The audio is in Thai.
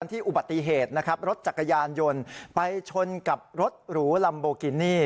ที่อุบัติเหตุนะครับรถจักรยานยนต์ไปชนกับรถหรูลัมโบกินี่